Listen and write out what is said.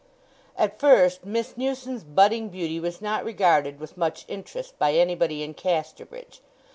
At first Miss Newson's budding beauty was not regarded with much interest by anybody in Casterbridge.